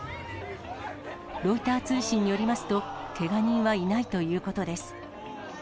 ロイター通信によりますと、けが人はいないということです。